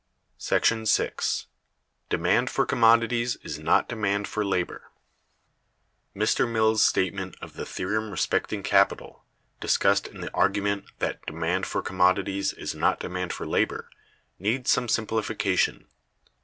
§ 6. Demand for Commodities is not Demand for Labor. Mr. Mill's statement of the theorem respecting capital, discussed in the argument that "demand for commodities is not demand for labor," needs some simplification.